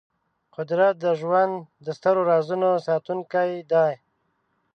قدرت د ژوند د سترو رازونو ساتونکی دی.